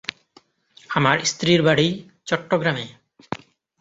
আমার স্ত্রীর বাড়ি চট্টগ্রামে।